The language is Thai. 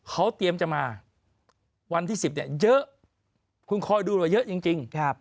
เขาเตรียมจะมาวันที่๑๐เนี่ยเยอะคุณคอยดูหน่อยเยอะจริง